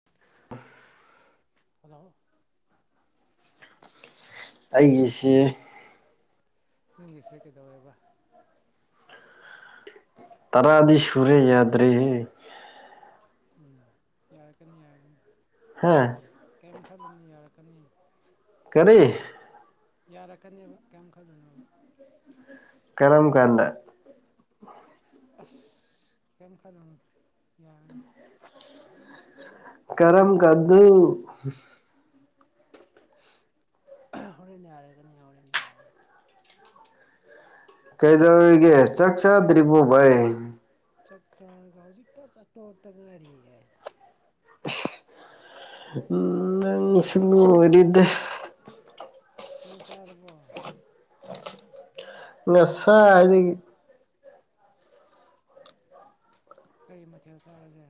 [inaudible] Hello. ꯑꯩꯒꯤꯁꯤ__ ꯅꯪꯒꯤ ꯁꯦ ꯀꯩꯗꯧꯑꯦꯕ꯫ ꯇꯔꯥꯗꯤ ꯁꯨꯔꯦ ꯌꯥꯗ꯭ꯔꯦꯍꯦ꯫ ꯎꯝ ꯌꯥꯔꯛꯀꯅꯤ ꯌꯥꯔꯒꯅꯤ꯫ ꯍꯥꯥ꯫ ꯀꯩꯝ ꯈꯟꯂꯨꯅꯨ ꯌꯥꯔꯛꯀꯅꯤ꯫ ꯀꯔꯤ꯫ ꯌꯥꯔꯛꯀꯅꯦꯕ ꯀꯩꯝ ꯈꯟꯂꯨꯅꯣꯕ꯫ ꯀꯔꯝ ꯀꯥꯟꯗ꯫ ꯑꯁ ꯀꯩꯝ ꯈꯟꯂꯨꯅꯨ ꯌꯥꯅꯤ꯫ ꯀꯔꯝ ꯀꯥꯗꯨ꯫ ꯍꯣꯔꯦꯟ ꯌꯥꯔꯒꯅꯤ ꯍꯣꯔꯦꯟ ꯌꯥꯔꯒꯅꯤ꯫ ꯀꯩꯗꯧꯔꯤꯒꯦ ꯆꯥꯛ ꯆꯥꯗ꯭ꯔꯤꯕꯣ ꯚꯥꯏ꯫ ꯆꯥꯛ ꯆꯔꯒ ꯍꯧꯖꯤꯛꯇ ꯆꯥꯛꯊꯣꯛꯔꯛꯇ ꯉꯔꯤꯌꯦ ꯅꯪꯁꯪ ꯑꯣꯏꯔꯤꯗꯦ ꯅꯪ ꯆꯥꯔꯕꯣ ꯉꯁꯥꯢꯗꯒꯤ ꯀꯔꯤ ꯃꯊꯦꯜ ꯆꯥꯔꯁꯦ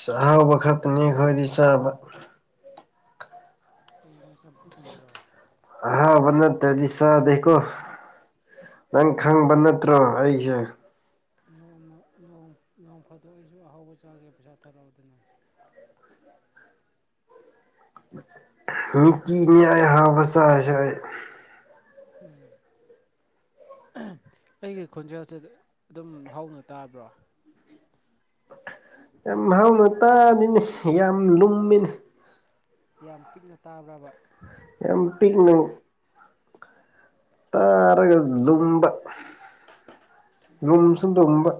ꯁꯍꯕ ꯈꯠ ꯅ ꯍꯣꯏꯗꯤ ꯁꯥ ꯀꯅꯣ ꯆꯝꯐꯨꯠꯒꯨꯝꯕꯔꯣ ꯑꯥꯍꯥꯕ ꯇꯠꯇꯗꯤ ꯆꯥꯗꯦ ꯅꯪ ꯈꯪꯕ ꯑꯩꯁꯨ ꯅꯠꯇ꯭ꯔꯣ ꯑꯩꯁꯦ ꯅꯣꯡꯃ ꯅꯣꯡ ꯅꯣꯡ ꯐꯥꯗꯣꯛ ꯑꯩꯁꯨ ꯑꯍꯥꯎꯕ ꯆꯥꯒꯦ ꯄꯩꯁꯥ ꯊꯥꯔꯛꯎꯗꯅ ꯃꯤꯀꯤ ꯅꯏ ꯍꯥꯥꯕꯁꯁ ꯎꯝ ꯑꯩꯒꯤ ꯈꯣꯟꯖꯦꯜꯁꯦ ꯑꯗꯨꯝ ꯍꯧꯥꯎꯅ ꯇꯥꯕ꯭ꯔꯣ ꯌꯥꯝ ꯍꯧꯅ ꯇꯥꯗꯤꯅꯦ ꯌꯥꯝ ꯂꯨꯝꯃꯤꯅꯤ ꯌꯥꯝ ꯄꯤꯛꯅ ꯇꯥꯕ꯭ꯔꯕ ꯌꯥꯝ ꯄꯤꯛꯅ ꯇꯥꯔꯒ ꯌꯨꯝꯕ ꯌꯨꯝꯁꯨ ꯇꯨꯝꯕ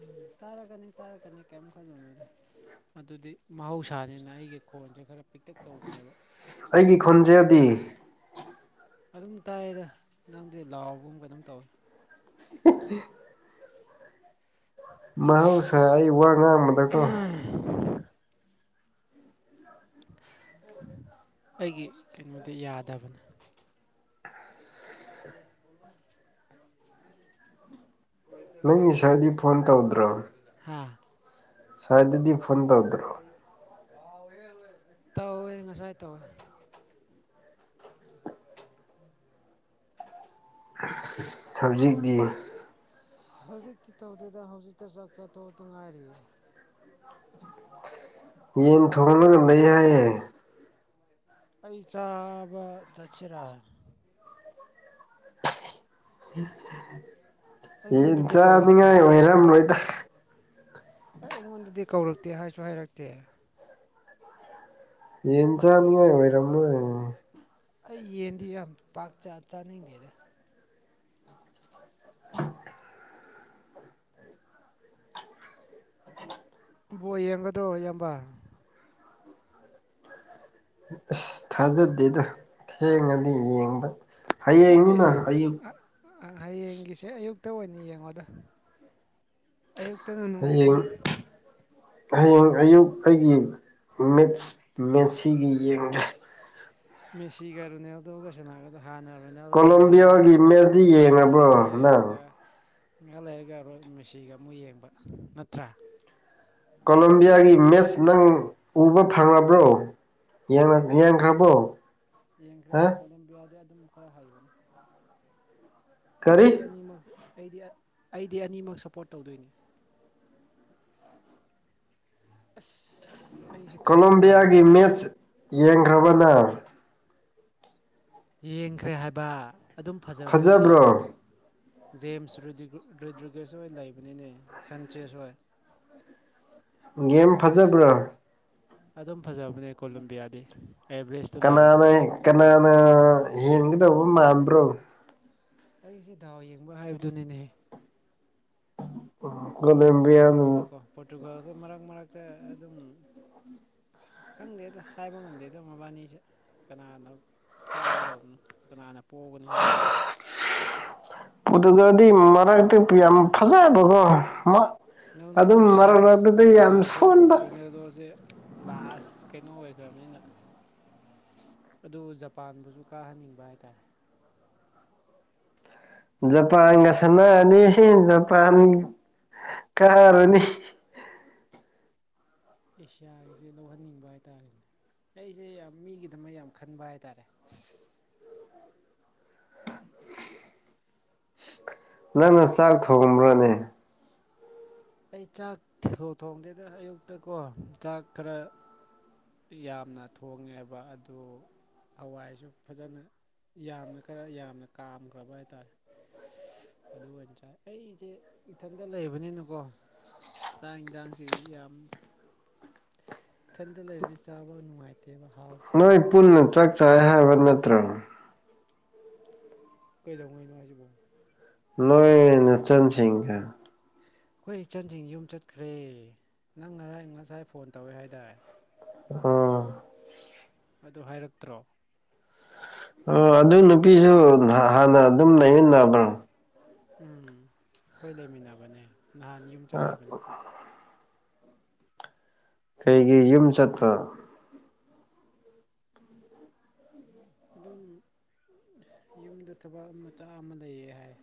ꯎꯝ ꯇꯥꯔꯛꯀꯅꯤ ꯇꯥꯔꯛꯀꯅꯤ ꯀꯩꯝ ꯈꯜꯂꯨꯅꯗ ꯑꯗꯨꯗꯤ ꯃꯍꯧꯁꯥꯅꯤꯅ ꯑꯩꯒꯤ ꯈꯣꯟꯁꯦ ꯈꯔ ꯄꯤꯛꯇꯞ ꯇꯧꯕꯅꯦꯕ ꯑꯩꯒꯤ ꯈꯨꯟꯖꯦꯜꯗꯤ ꯑꯗꯨꯝ ꯇꯥꯏꯌꯦꯗ ꯅꯪꯗꯤ ꯂꯥꯎꯕꯒꯨꯝꯕ ꯑꯗꯨꯝ ꯇꯧ ꯃꯍꯧꯁꯥ ꯑꯩ ꯋꯥ ꯉꯥꯡꯕꯗꯀꯣ ꯑꯩꯒꯤ ꯀꯩꯅꯣꯗ ꯌꯥꯗꯕꯅꯦ [unintelligible] ꯅꯪꯒꯤ ꯁꯥꯏꯗꯤ ꯐꯣꯟ [unintelligible] ꯍꯥ ꯁꯋꯥꯏꯗꯤ ꯐꯨꯟ ꯇꯧꯗ꯭ꯔꯣ [unintelligible] ꯇꯧꯋꯦ ꯉꯁꯥꯏ ꯇꯧꯋꯦ ꯍꯧꯖꯤꯛꯇꯤ ꯍꯧꯖꯤꯛꯇꯤ ꯇꯧꯗꯦꯗꯥ ꯍꯧꯖꯤꯛꯇ ꯆꯥꯛ ꯆꯥꯊꯣꯛꯂꯛꯇꯥ ꯉꯥꯏꯔꯤꯑꯦ [inaudible] ꯌꯦꯟ ꯊꯣꯡꯗꯨꯅ ꯂꯩ ꯍꯥꯏꯌꯦ ꯑꯩ ꯆꯥꯕ ꯆꯠꯁꯤꯔꯥ ꯌꯦꯟ ꯑꯩꯉꯣꯟꯗꯗꯤ ꯀꯧꯔꯛꯇꯦ ꯆꯥꯅꯤꯡꯉꯥꯏ ꯑꯣꯏꯔꯝꯂꯣꯏꯗ ꯑꯩ ꯑꯩꯉꯣꯟꯗꯗꯤ ꯀꯧꯔꯛꯇꯦ ꯍꯥꯏꯁꯨ ꯍꯥꯏꯔꯛꯇꯦ ꯌꯦꯟꯖꯥꯅꯤꯉ ꯑꯣꯏꯔꯝꯃꯣꯏ ꯑꯩ ꯌꯦꯟꯗꯤ ꯌꯥꯝ ꯄꯥꯛ ꯆꯥ ꯆꯥꯅꯤꯡꯗꯦꯗ [inaudible] ꯕꯣ ꯌꯦꯡꯒꯗꯣ ꯏꯌꯥꯝꯕ ꯑꯁ ꯊꯥꯖꯗꯦꯗ ꯊꯦꯡꯉꯗꯤ ꯌꯦꯡꯕ ꯅꯠꯇꯦ ꯍꯌꯦꯡꯅꯤꯅ ꯑꯌꯨꯛ ꯑꯥ ꯑꯥ ꯍꯌꯦꯡꯒꯤꯁꯦ ꯑꯌꯨꯛꯇ ꯑꯣꯏꯅ ꯌꯦꯡꯉꯣꯗ ꯑꯌꯨꯛꯇꯅ ꯍꯌꯦꯡ ꯅꯨꯡꯉꯥꯏꯒꯅꯤ ꯍꯌꯦꯡ ꯑꯌꯨꯛ ꯑꯩꯒꯤ ꯃꯤꯠꯁ ꯃꯦꯁꯤꯒꯤ ꯌꯦꯡꯒꯦ ꯃꯤꯁꯤꯒꯥ ꯔꯣꯅꯥꯜꯗꯣꯒꯥ ꯁꯟꯅꯥꯔꯛ ꯑꯗ ꯍꯥꯟꯅ ꯔꯣꯅꯦꯜꯗꯣ ꯁꯥꯟꯅꯔꯅꯤ ꯀꯣꯂꯣꯝꯕꯤꯌꯥꯒꯤ ꯃꯦꯠꯁꯇꯤ ꯍꯣꯔꯣꯅꯦꯜꯗꯣ ꯌꯦꯡꯉꯕ꯭ꯔꯣ ꯌꯦꯡꯉꯁꯦ ꯅꯪ ꯑꯗꯨꯒ ꯉꯍꯥꯛ ꯂꯩꯔꯒ ꯔꯣ ꯃꯦꯁꯤꯒ ꯑꯃꯨꯛ ꯌꯦꯡꯕ ꯅꯠꯇ꯭ꯔꯥ ꯑꯩꯗꯤ ꯀꯣꯂꯝꯣꯕꯤꯌꯥꯒꯤ ꯑꯅꯤꯃꯛ ꯃꯦꯠꯆ ꯅꯪ ꯎꯕ ꯐꯪꯉꯕ꯭ꯔꯣ ꯐꯪꯉꯦꯗ ꯌꯦꯡꯈ꯭ꯔꯦ ꯍꯥ ꯀꯣꯂꯝꯕꯤꯌꯥꯗꯤ ꯑꯗꯨꯝ ꯈꯔ ꯍꯩꯕꯅꯤ ꯀꯔꯤ ꯑꯩꯗꯤ ꯑꯅꯤꯃꯛ ꯑꯩꯗꯤ ꯑꯥ ꯑꯩꯗꯤ ꯑꯅꯤꯃꯛ ꯁꯞꯄꯣꯔꯠ ꯇꯧꯗꯣꯏꯅꯦ ꯑꯩꯁꯦ ꯀꯥꯏꯀꯨ ꯀꯣꯂꯣꯕꯤꯌꯥꯒꯤ ꯃꯥꯜꯂꯦꯅꯦ ꯃꯦꯠꯆ ꯌꯦꯡꯈ꯭ꯔꯕꯅ ꯌꯦꯡꯈ꯭ꯔꯦ ꯍꯥꯏꯕ ꯑꯗꯨꯝ ꯐꯖꯕꯅꯦ ꯐꯖꯕ꯭ꯔꯣ ꯖꯦꯝꯁ ꯔꯤꯗ꯭ꯔꯤꯒꯨꯠ ꯔꯤꯗ꯭ꯔꯤꯒꯦꯁꯍꯣꯏ ꯂꯩꯕꯅꯤꯅꯦ ꯁꯟꯆꯦꯁ ꯍꯣꯏ ꯒꯦꯝ ꯐꯖꯕ꯭ꯔꯥ ꯑꯗꯨꯝ ꯐꯖꯕꯅꯦ ꯀꯣꯂꯝꯕꯤꯌꯥꯗꯤ ꯑꯦꯚꯔꯦꯖꯇ ꯂꯩꯕꯅꯦ ꯀꯅꯥꯅ ꯀꯅꯥꯅ ꯌꯦꯟꯒꯗꯧꯕ ꯃꯥꯟꯕ꯭ꯔꯣ ꯑꯩꯁꯦ ꯗꯥꯎ ꯌꯦꯡꯕ ꯍꯥꯏꯕꯗꯨꯅꯤꯅꯦ ꯑꯅꯤꯃꯛ ꯀꯣꯂꯣꯕꯤꯌꯥꯅ ꯐꯖꯕꯅꯤꯅꯀꯣ ꯄꯣꯔꯇꯨꯒꯥꯜꯁꯨ ꯃꯔꯛ ꯃꯔꯛꯇ ꯑꯗꯨꯝ ꯈꯪꯗꯦ ꯑꯗ ꯍꯥꯏꯕ ꯉꯝꯗꯦꯗꯣ ꯃꯕꯥꯅꯤꯁꯦ ꯀꯅꯥꯅꯣ ꯀꯥꯒꯗꯧ ꯎꯝ ꯀꯅꯥꯅ ꯄꯣꯛꯒꯅꯤ ꯍꯥꯏꯕ ꯄꯣꯇꯨꯒꯜꯗꯤ ꯃꯔꯛꯇ ꯄꯤꯌꯥꯝ ꯐꯖꯥꯕꯀꯣ ꯅꯪꯗꯤ ꯅꯨꯡꯁꯤꯌꯦ ꯄꯣꯔꯇꯨꯒꯥꯜꯁꯦ ꯁꯣꯟꯕ ꯔꯣꯅꯦꯜꯗꯣꯁꯦ ꯂꯥꯁ ꯀꯩꯅꯣ ꯑꯣꯏꯈ꯭ꯔꯅꯤꯅ ꯑꯗꯨ ꯖꯄꯥꯟꯕꯨꯁꯨ ꯀꯥꯍꯟꯅꯤꯡꯕ ꯍꯥꯏꯇꯥꯔꯦ ꯖꯄꯥꯟꯒ ꯁꯥꯟꯅꯥꯔꯅꯤ ꯖꯄꯥꯟ ꯀꯥꯔꯥꯅꯤ ꯑꯦꯁꯤꯌꯥꯒꯤꯁꯦ ꯂꯧꯍꯟꯅꯤꯡꯕ ꯍꯥꯏꯇꯥꯔꯦ ꯑꯩꯁꯦ ꯌꯥꯝ ꯃꯤꯒꯤꯗꯃꯛ ꯌꯥꯝ ꯈꯟꯕ ꯍꯥꯏꯇꯥꯔꯦ ꯑꯁ ꯅꯪꯅ ꯆꯥꯛ ꯊꯣꯡꯕ꯭ꯔꯅꯦ ꯑꯩ ꯆꯥꯛ ꯊꯣꯡꯗꯦꯗ ꯑꯌꯨꯛꯇ ꯀꯣ ꯆꯥꯛ ꯈꯔ ꯇꯤ ꯌꯥꯝꯅ ꯊꯣꯡꯉꯦꯕ ꯑꯗꯨ ꯍꯋꯥꯏꯁꯨ ꯐꯖꯅ ꯌꯥꯝꯅ ꯈꯔ ꯌꯥꯝꯅ ꯀꯥꯝꯈ꯭ꯔꯕ ꯍꯥꯏꯇꯥꯔꯦ ꯑꯗꯨ ꯑꯣꯏꯅ ꯆꯥꯏ ꯑꯩꯁꯦ ꯏꯊꯟꯇ ꯂꯩꯕꯅꯤꯅꯀꯣ ꯆꯥꯛ ꯌꯦꯟꯁꯥꯡꯁꯤ ꯌꯥꯝ ꯏꯊꯟꯇ ꯂꯩꯔꯗꯤ ꯆꯥꯕ ꯅꯨꯡꯉꯥꯏꯇꯦ ꯅꯣꯏ ꯄꯨꯟꯅ ꯆꯥꯛ ꯆꯥꯏ ꯍꯥꯏꯕ ꯅꯠꯇ꯭ꯔꯣ ꯀꯩꯗꯧꯉꯩꯅꯣ ꯍꯥꯏꯁꯤꯕꯣ ꯅꯣꯏꯣꯏ ꯅꯆꯟ ꯁꯤꯡꯒ ꯑꯩꯈꯣꯏ ꯏꯆꯟꯁꯤꯡ ꯌꯨꯝ ꯆꯠꯈ꯭ꯔꯦ ꯅꯪ ꯉꯔꯥꯡ ꯉꯁꯥꯏ ꯐꯣꯟ ꯇꯧꯋꯦ ꯍꯥꯏꯇꯥꯏ [unintelligible] ꯑꯗꯨ ꯍꯥꯏꯔꯛꯇ꯭ꯔꯣ ꯑꯣ ꯑꯗꯨ ꯅꯨꯄꯤꯁꯨ ꯍꯥꯟꯅ ꯑꯗꯨꯝ ꯂꯩꯃꯤꯟꯅꯕ꯭ꯔꯥ ꯎꯝ ꯑꯩꯈꯣꯏ ꯂꯩꯃꯤꯟꯅꯕꯅꯦ ꯅꯍꯥꯟ ꯌꯨꯝ ꯆꯠꯈꯤꯕꯅꯦ ꯀꯩꯒꯤ ꯌꯨꯝ ꯆꯠꯄ ꯑꯗꯨꯝ ꯌꯨꯝꯗ ꯊꯕꯛ ꯃꯆꯥ ꯑꯃ ꯂꯩꯌꯦ ꯍꯥꯏ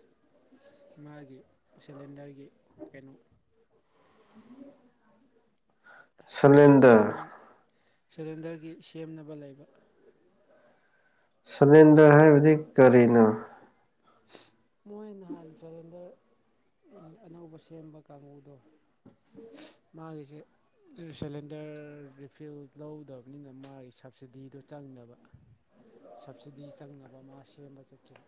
ꯃꯥꯒꯤ ꯁꯤꯂꯦꯟꯗꯔꯒꯤ ꯀꯩꯅꯣ ꯁꯦꯝꯅ ꯁꯂꯦꯟꯗꯔ ꯁꯦꯂꯦꯟꯗꯔꯒꯤ ꯁꯦꯝꯅꯕ ꯂꯩꯕ ꯁꯂꯤꯟꯗꯔ ꯍꯥꯏꯕꯗꯤ ꯀꯔꯤꯅꯣ ꯃꯣꯏ ꯅꯍꯥꯟ ꯁꯂꯤꯟꯗꯔ ꯑꯅꯧꯕ ꯁꯦꯝꯕ ꯀꯥꯡꯕꯨꯗꯣ ꯃꯥꯒꯤꯁꯦ ꯁꯤꯂꯤꯟꯗꯔ ꯔꯤꯐꯤꯜ ꯂꯧꯗꯕꯅꯤꯅ ꯃꯥꯒꯤ ꯁꯞꯕꯁꯤꯗꯤꯗꯣ ꯆꯪꯗꯕ ꯁꯕꯁꯤꯗꯤ ꯆꯪꯅꯕ ꯃꯥ ꯁꯦꯝꯕ ꯆꯠꯈꯤꯕ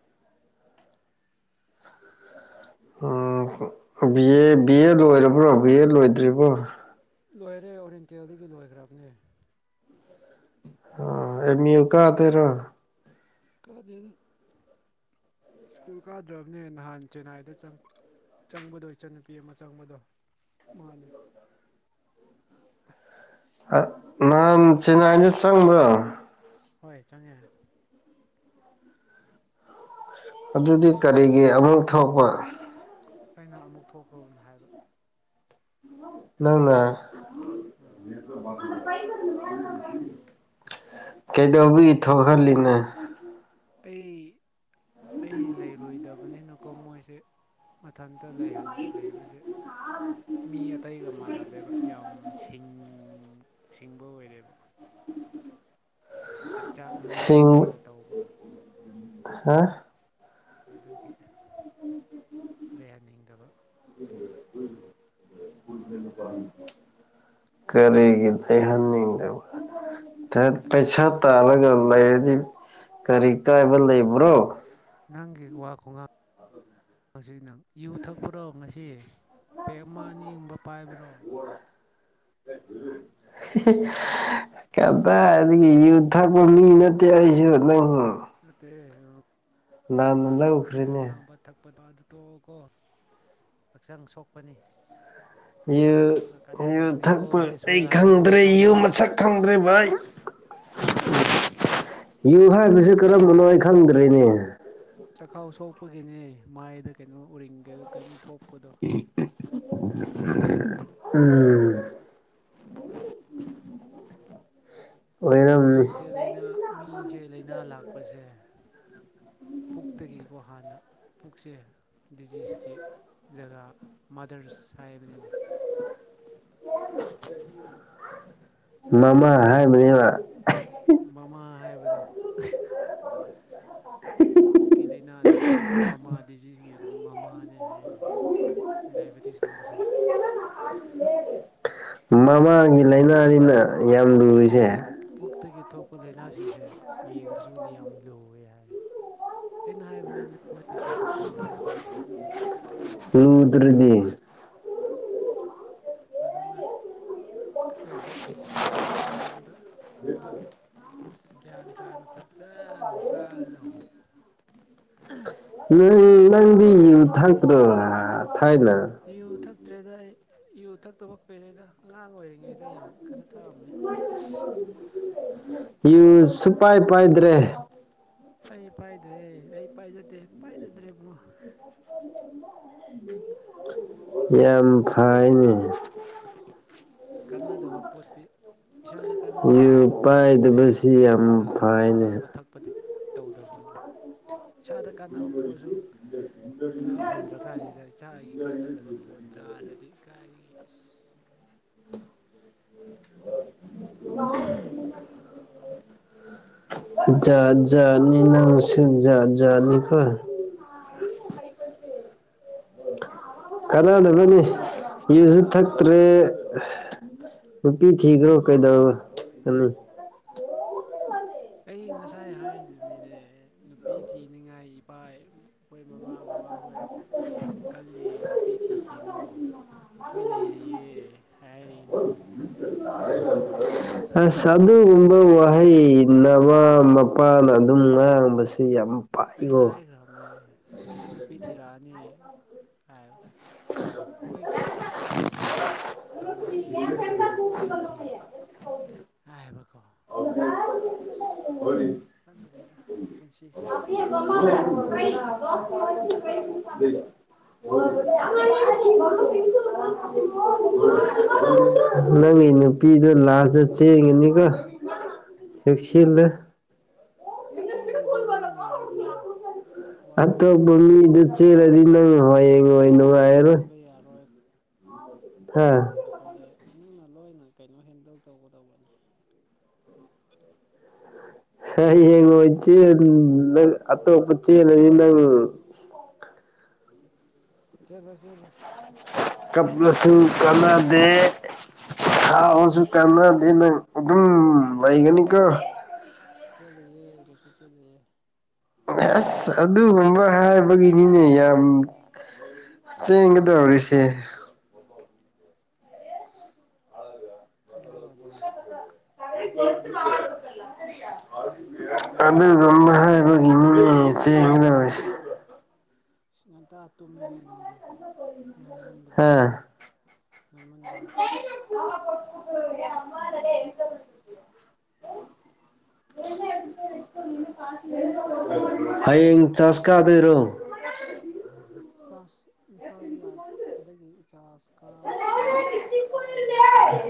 ꯑꫭ ꯕꯤ ꯑꯦ ꯕꯤ ꯑꯦ ꯂꯣꯏꯔꯕ꯭ꯔꯣ ꯕꯤ ꯑꯦ ꯂꯣꯏꯗ꯭ꯔꯤꯕꯣ ꯂꯣꯏꯔꯦ ꯑꯣꯔꯦꯟꯇꯦꯜꯗꯒꯤ ꯂꯣꯏꯈ꯭ꯔꯕꯅꯦ ꯑꯣ ꯑꯦꯃꯤꯜ ꯀꯥ ꯇꯦꯔꯣ ꯀꯥꯗꯦꯗ ꯁ꯭ꯀꯨꯜ ꯀꯥꯗ꯭ꯔꯕꯅꯦ ꯅꯍꯥꯟ ꯆꯦꯟꯅꯥꯏꯗ ꯆꯪꯉꯛꯄ ꯆꯪꯕꯗꯣ ꯏꯆꯟꯟꯅꯨꯄꯤ ꯑꯃ ꯆꯪꯕꯗꯣ ꯃꯥꯅꯦ ꯅꯍꯥꯟ ꯆꯦꯟꯅꯥꯏꯗ ꯆꯪꯕ꯭ꯔꯣ ꯍꯣꯏ ꯆꯪꯉꯦ ꯑꯗꯨꯗꯤ ꯀꯔꯤꯒꯤ ꯑꯃꯨꯛ ꯊꯣꯛꯄ ꯑꯩꯅ ꯑꯃꯨꯛ ꯊꯣꯛꯈ꯭ꯔꯣꯅ ꯍꯥꯏꯕ ꯅꯪꯅ ꯎꯝ ꯀꯩꯗꯧꯕꯤꯒꯤ ꯊꯣꯛꯍꯜꯂꯤꯅ ꯑꯩ ꯑꯩ ꯂꯩꯔꯣꯏꯗꯕꯅꯤꯅꯀꯣ ꯃꯣꯏꯁꯦ ꯃꯊꯟꯇ ꯂꯩꯍꯟ ꯂꯩꯕꯁꯦ ꯃꯤ ꯑꯇꯩꯒ ꯃꯥꯟꯅꯗꯦꯕ ꯌꯥꯝ ꯁꯤꯡ ꯁꯤꯡꯕ ꯑꯣꯏꯔꯦꯕ ꯖꯤꯛꯆꯥꯛ ꯃꯤ ꯁꯤꯡ ꯑꯇꯩꯒ ꯇꯧꯕ ꯍꯥ ꯑꯗꯨꯒꯤ ꯂꯩꯍꯟꯅꯤꯡꯗꯕ [inaudible] ꯀꯔꯤꯒꯤ ꯂꯩꯍꯟꯅꯤꯡꯗꯕ ꯊꯥꯠ ꯑꯁ ꯄꯩꯁꯥ ꯇꯥꯜꯂꯒ ꯂꯩꯔꯗꯤ ꯀꯔꯤ ꯀꯥꯏꯕ ꯅꯪ ꯂꯩꯕ꯭ꯔꯣ ꯅꯪꯒꯤ ꯋꯥ ꯈꯨꯉꯥꯡ ꯍꯧꯖꯤꯛ ꯅꯪ ꯌꯨ ꯊꯛꯄ꯭ꯔꯣ ꯉꯁꯤ ꯄꯦꯛ ꯑꯃ ꯑꯅꯤ ꯒꯨꯝꯕ ꯄꯥꯏꯕ꯭ꯔꯣ [unintelligible] ꯀꯗꯥꯏꯗꯒꯤ ꯌꯨ ꯊꯛꯄ ꯃꯤ ꯅꯠꯇꯦ ꯑꯩꯁꯨ ꯅꯪ ꯅꯠꯇꯦ ꯎꯝ ꯂꯥꯟꯅ ꯃꯄꯥꯜꯂꯣꯝꯗ ꯂꯧꯈ꯭ꯔꯦꯅꯦ ꯂꯩꯔ [inaudible] ꯊꯛꯄꯗꯣ ꯑꯗꯨ ꯇꯣꯛꯑꯣꯀꯣ ꯍꯛꯆꯥꯡ ꯁꯣꯛꯄꯅꯤ ꯍꯛꯆꯥꯡ ꯌꯨ ꯁꯣꯛꯑꯒ ꯌꯨ ꯀꯥꯟꯅꯗꯕꯅꯤꯀꯣ ꯊꯛꯄ ꯍꯦꯜꯠ ꯑꯩ ꯋꯦꯜ ꯍꯥꯏꯕꯗꯨ ꯈꯪꯗ꯭ꯔꯦ ꯌꯨ ꯇꯥꯗ꯭ꯔꯣ ꯃꯁꯛ ꯈꯪꯗ꯭ꯔꯦ ꯚꯥꯏ ꯌꯨ ꯍꯥꯏꯕꯁꯤ ꯀꯔꯝꯕꯅꯣ ꯑꯩ ꯈꯪꯗ꯭ꯔꯦꯅꯦ ꯆꯥꯛꯈꯥꯎ ꯁꯣꯛꯄꯒꯤꯅꯦ ꯃꯥꯏꯗ ꯀꯩꯅꯣ ꯎꯔꯤꯡꯒꯦꯗ ꯀꯩꯅꯝ ꯊꯣꯛꯄꯗꯣ ꯎꯝ ꯑꯣꯏꯔꯝꯅꯤ ꯃꯤꯁꯦ ꯂꯩꯅꯥ ꯃꯤꯁꯦ ꯂꯩꯅꯥ ꯂꯥꯛꯄꯁꯦ ꯄꯨꯛꯇꯥꯒꯤꯀꯣ ꯍꯥꯟꯅ ꯄꯨꯛꯁꯦ ꯗꯤꯖꯤꯁꯀꯤ ꯖꯒꯥ ꯃꯥꯗꯔꯁ ꯍꯥꯏꯕꯅꯤꯅꯦ ꯃꯃꯥ ꯍꯥꯏꯕꯅꯦꯕ ꯃꯃꯥ ꯍꯥꯏꯕꯗꯣ ꯄꯨꯛꯀꯤ ꯂꯥꯏꯅꯥꯁꯦ ꯃꯃꯥ ꯗꯤꯖꯤꯖꯀꯤ ꯃꯃꯥꯅꯦ ꯍꯥꯏꯔꯅꯤ ꯗꯥꯏꯕꯦꯇꯤꯁꯀꯨꯝꯕꯁꯦ ꯃꯃꯥꯒꯤ ꯂꯥꯏꯅꯥꯅꯤꯅ ꯌꯥꯝ ꯂꯨꯔꯤꯁꯦ ꯄꯨꯛꯇꯥ ꯄꯨꯛꯇꯥꯒꯤ ꯊꯣꯛꯄ ꯂꯥꯏꯅꯥꯁꯤꯡꯁꯦ ꯌꯦꯡꯕꯁꯨ ꯌꯥꯝ ꯂꯨꯋꯦ ꯍꯥꯏ ꯑꯩꯅ ꯍꯥꯏꯕꯅꯦ ꯅꯠ ꯅꯠꯇꯦꯗ ꯗꯣꯛꯇꯔꯅ ꯍꯥꯏꯕꯅꯤꯗ ꯂꯨꯗ꯭ꯔꯥꯗꯤ ꯑꯗꯨꯅ ꯑꯩꯈꯣꯏꯁꯦ ꯆꯥꯕ ꯃꯇꯝꯗ [inaudible] ꯑꯁ ꯒ꯭ꯌꯥꯟ ꯇꯥꯅ ꯐꯖꯅ ꯆꯥꯒꯗꯧꯕꯅꯤ ꯅꯪ ꯅꯪꯗꯤ ꯌꯨ ꯊꯥꯛꯇ꯭ꯔꯣ ꯊꯥꯏꯅ ꯌꯨ ꯊꯛꯇ꯭ꯔꯦꯗ ꯑꯩ ꯌꯨ ꯊꯛꯇꯕ ꯀꯨꯏꯔꯦꯗ ꯑꯉꯥꯡ ꯑꯣꯏꯔꯤꯉꯩꯗ ꯌꯥꯝ ꯈꯔ ꯊꯛꯑꯝꯃꯦ ꯑꯁ ꯌꯨ ꯁꯨꯄꯥꯏ ꯄꯥꯏꯗ꯭ꯔꯦ ꯑꯩ ꯄꯥꯏꯗ꯭ꯔꯦ ꯑꯩ ꯄꯥꯏꯖꯗꯦ ꯄꯥꯏꯖꯗ꯭ꯔꯦ ꯕꯨꯡꯉꯣ ꯌꯥꯝ ꯐꯥꯏꯅꯦ ꯀꯥꯟꯅꯗꯕ ꯄꯣꯠꯇꯤ ꯏꯁꯥꯗ ꯀꯥꯟꯅꯗꯕ ꯌꯨ ꯄꯣꯠꯇꯤ ꯑꯩ ꯌꯥꯝ ꯄꯥꯏꯗꯕꯁꯤ ꯆꯥꯟ ꯆꯥ ꯐꯩꯅꯦ ꯆꯥꯕ ꯊꯛꯄꯗꯤ ꯇꯧꯗꯕꯅꯤꯅ ꯏꯁꯥꯗ ꯀꯥꯟꯅꯕ ꯄꯣꯠꯁꯨ ꯆꯥ ꯐꯪꯗ꯭ꯔ ꯀꯥꯟꯁꯤꯗ ꯏꯆꯥꯒꯤ ꯀꯥꯟꯅꯗꯕ ꯄꯣꯠ ꯆꯥꯔꯗꯤ ꯀꯥꯏꯗꯒꯤ ꯑꯁ ꯎꯝ ꯖꯥꯠ ꯖꯥꯠꯅꯤ ꯅꯪꯁꯨ ꯖꯥꯠ ꯖꯥꯠꯅꯤꯀꯣ ꯀꯅꯥꯗꯕꯅꯤ ꯌꯨꯖꯨ ꯊꯛ ꯇ꯭ꯔꯦ ꯅꯨꯄꯤ ꯊꯤꯒ꯭ꯔꯣ ꯀꯩꯗꯧ ꯒꯅꯤ ꯑꯩ ꯉꯁꯥꯏ ꯍꯥꯏꯗꯨꯅꯤꯅꯦ ꯅꯨꯄꯤ ꯊꯤꯅꯤꯡꯉꯥꯏ ꯏꯄꯥꯏ ꯑꯩꯈꯣꯏ ꯃꯃꯥ ꯕꯕꯥꯍꯣꯏ ꯌꯥꯝ ꯀꯜꯂꯤ ꯅꯨꯄꯤ ꯊꯤꯈꯤꯅꯨ ꯑꯩꯈꯣꯏ ꯂꯩꯔꯤꯌꯦ ꯍꯥꯏꯔꯤꯅꯦ ꯀꯩꯗꯧꯁꯦ ꯍꯥꯏꯕꯅꯣ ꯑꯩꯗꯤ [unintelligible] ꯑꯁ ꯊꯤꯅꯤꯡꯈ꯭ꯔꯕꯅꯦ ꯑꯗꯨꯒꯨꯝꯕ ꯋꯥꯍꯩ ꯅꯕꯥ ꯃꯄꯥꯅ ꯑꯗꯨꯝ ꯉꯥꯡꯕꯁꯤ ꯌꯥꯝ ꯑꯩꯅ ꯄꯥꯏꯀꯣ ꯍꯥꯏꯈ꯭ꯔꯥꯕꯅꯦ ꯑꯩ ꯅꯨꯄꯤ ꯊꯤꯔꯛꯑꯅꯤ ꯍꯥꯏꯕ ꯑꯩꯈꯣꯏ ꯀꯟꯅ ꯑꯩꯈꯣꯏ ꯀꯟꯅ ꯇꯧꯔꯤꯌꯦ ꯑꯩꯈꯣꯏ ꯋꯥꯗ꯭ꯔꯤ ꯍꯥꯏꯕꯀꯣ ꯈꯪꯗꯦꯗ ꯄꯨꯟꯁꯤꯁꯦ [unintelligible] [unintelligible] [unintelligible] ꯅꯪꯒꯤ [unintelligible] ꯄꯤꯗꯣ ꯂꯥꯁꯇ ꯆꯦꯟꯒꯤꯅꯤꯀꯣ ꯆꯦꯛꯁꯤꯟꯂꯨ ꯆꯦꯜꯂꯗꯤ ꯅꯪ ꯂꯩꯔꯦꯗꯅ ꯋꯥ ꯑꯠꯇꯣꯞꯄꯥ ꯉꯥꯡꯅꯕ ꯃꯤꯗ ꯆꯦꯟꯂꯗꯤ [unintelligible] ꯆꯦꯟꯕ ꯌꯥꯔꯣꯏ ꯍꯥꯥ [unintelligible] ꯃꯤꯅ ꯂꯣꯏꯅ ꯀꯩꯅꯣ ꯍꯦꯟꯗꯧ ꯇꯧꯒꯗꯧꯕꯅꯤ ꯍꯌꯦꯡ ꯑꯣꯏ ꯆꯦꯟ ꯅꯪ ꯑꯇꯣꯞꯄ ꯆꯦꯟꯂꯗꯤ ꯅꯪ [inaudible] [unintelligible] ꯆꯥꯕꯤ [unintelligible] [unintelligible] ꯍꯥꯎꯁꯨ ꯀꯥꯟꯅꯗꯦ ꯅꯪ ꯑꯗꯨꯝ ꯂꯩꯒꯅꯤꯀꯣ ꯆꯦꯟꯂꯣꯏꯌꯦ ꯀꯩꯁꯨ ꯆꯦꯟꯂꯣꯏꯌꯦ ꯑꯁ ꯑꯗꯨꯒꯨꯝꯕ ꯍꯥꯏꯕꯒꯤꯅꯤꯅꯦ ꯌꯥꯝ ꯆꯦꯟꯒꯗꯧꯔꯤꯁꯦ ꯆꯦꯟꯕ ꯌꯥꯗꯦꯅꯦ [unintelligible] ꯑꯗꯨꯒꯨꯝꯕ ꯍꯥꯏꯕꯒꯤꯅꯤꯅꯦ ꯆꯦꯟꯒꯗꯣꯏ ꯉꯟꯇꯥ ꯇꯨꯝꯃꯤꯍꯦ ꯅꯪꯗꯤ ꯉꯟꯃꯟ ꯗ꯭ꯔꯣ ꯍꯥ ꯉꯟꯃꯟꯗ꯭ꯔꯣ [unintelligible] ꯍꯌꯦꯡ ꯆꯔꯁ ꯀꯥꯗꯣꯏꯔꯣ ꯆꯥꯁ ꯏꯝꯐꯥꯜꯗ ꯂꯥꯛꯄꯗꯒꯤ ꯏꯆꯥꯥꯖ ꯀꯥꯕ ꯀꯨꯏ ꯀꯥꯗꯕ ꯀꯨꯏꯔꯦ